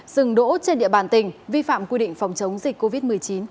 dừng đỗ trên địa bàn tỉnh vi phạm quy định phòng chống dịch covid một mươi chín